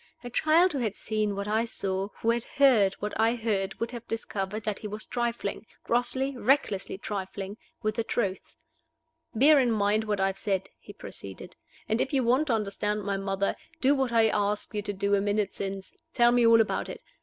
A child who had seen what I saw, who had heard what I heard would have discovered that he was trifling grossly, recklessly trifling with the truth. "Bear in mind what I have said," he proceeded; "and if you want to understand my mother, do what I asked you to do a minute since tell me all about it.